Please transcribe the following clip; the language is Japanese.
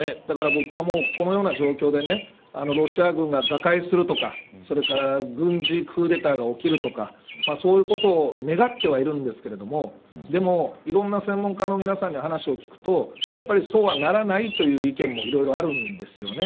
だから僕は、このような状況でロシア軍が瓦解するとかそれから軍事クーデターが起きるとかそういうことを願ってはいるんですがでも、いろんな専門家の皆さんに話を聞くとやはり、そうはならないという意見も、いろいろあるんです。